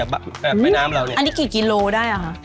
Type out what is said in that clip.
บุรีน้ำอ่างทอง